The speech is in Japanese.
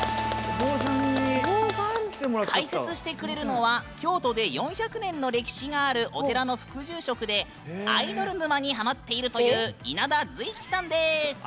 解説してくれるのは京都で４００年続く歴史のあるお寺の副住職でアイドル沼にハマっているという稲田ズイキさんです。